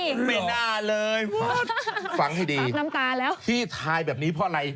หมดไม่น่าเลยหมดฟังให้ดีที่ทายแบบนี้เพราะอะไร